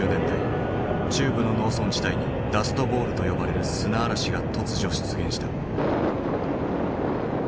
中部の農村地帯にダストボウルと呼ばれる砂嵐が突如出現した。